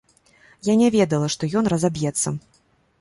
Я не ведала, што ён разаб'ецца.